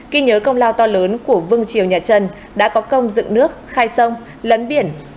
khi nhớ công lao to lớn của vương triều nhà trần đã có công dựng nước khai sông lấn biển